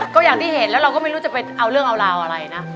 ก็อย่างที่เห็นแล้วเราก็ไม่รู้จะไปเอาเรื่องเอาราวอะไรนะ